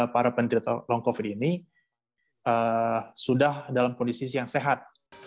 para penderita long covid ini sudah dalam kondisi yang sehat